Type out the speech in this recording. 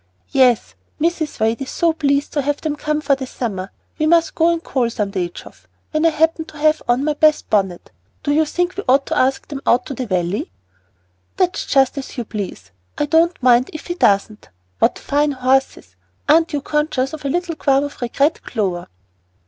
"Yes, Mrs. Wade is so pleased to have them come for the summer. We must go and call some day, Geoff, when I happen to have on my best bonnet. Do you think we ought to ask them out to the Valley?" "That's just as you please. I don't mind if he doesn't. What fine horses. Aren't you conscious of a little qualm of regret, Clover?"